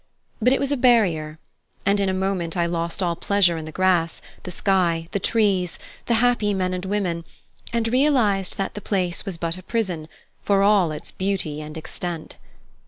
But it was a barrier, and in a moment I lost all pleasure in the grass, the sky, the trees, the happy men and women, and realized that the place was but a prison, for all its beauty and extent.